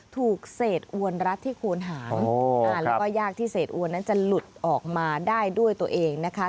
ถูกเศษอวนรัดที่โคนหางแล้วก็ยากที่เศษอวนนั้นจะหลุดออกมาได้ด้วยตัวเองนะคะ